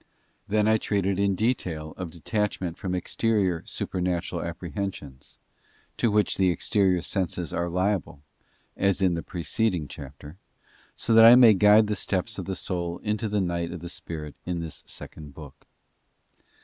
I then treated in detail of detachment from exterior supernatural apprehensions, to which the exterior senses are liable — as in the preceding chapter — so that I may guide the steps of the soul into the night of the spirit in this second book.